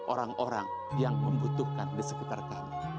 orang orang yang membutuhkan di sekitar kami